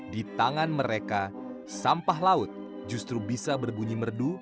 di tangan mereka sampah laut justru bisa berbunyi merdu